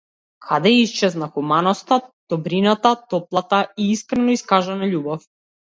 Каде исчезна хуманоста, добрината, топлата и искрено искажана љубов?